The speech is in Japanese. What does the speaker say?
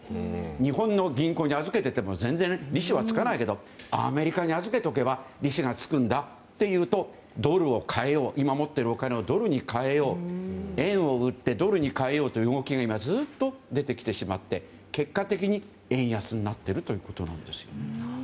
日本の銀行に預けていても全然利子はつかないけどアメリカに預けておけば利子がつくんだというと今持っているお金をドルに変えよう円を売ってドルに変えようという動きがずっと出てきてしまって結果的に、円安になっているということなんです。